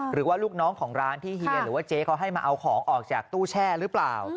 หรือว่าลูกน้องของร้านที่เฮียหรือว่าเจ๊เขาให้มาเอาของออกจากตู้แช่หรือเปล่า